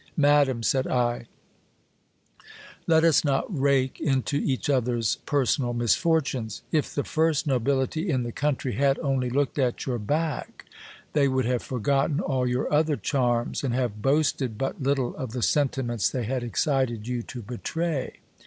Madam, said I, let us not rake into each other's per sonal misfortunes. If the first nobility in the country had only looked at your back, they would have forgotten all your other charms, and have boasted but little of the sentiments they had excited you to betray.